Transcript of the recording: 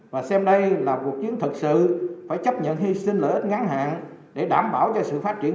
và xem đây là cuộc chiến thật sự phải chấp nhận hy sinh lợi ích ngắn hạn để đảm bảo cho sự phát triển